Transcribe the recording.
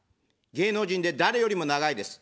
芸能人で誰よりも長いです。